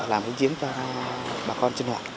làm chiến cho bà con sinh hoạt